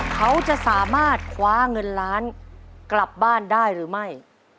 เขาจะสามารถคว้าเงินล้านกลับบ้านได้หรือไม่